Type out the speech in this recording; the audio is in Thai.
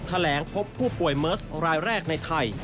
แถลงพบผู้ป่วยเมิร์สรายแรกในไทย